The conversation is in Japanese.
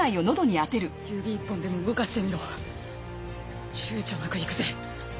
指１本でも動かしてみろちゅうちょなくいくぜ。